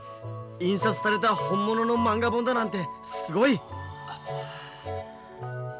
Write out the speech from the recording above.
印刷された本物のまんが本だなんてすごい！